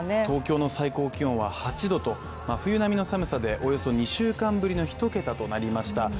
東京の最高気温は８度と真冬並みの寒さで２週間ぶりの一桁となりました。